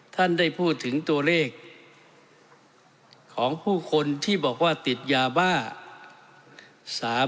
ท่านได้พูดถึงตัวเลขของผู้คนที่บอกว่าติดยาบ้า